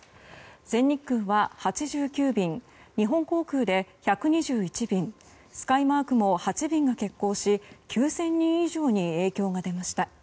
全日空は８９便日本航空で１２１便スカイマークも８便が欠航し９０００人以上に影響が出ました。